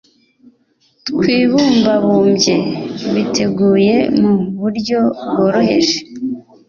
twibumbabumbye, biteguye mu buryo bworoheje